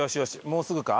もうすぐか？